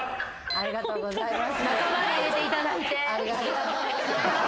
ありがとうございます。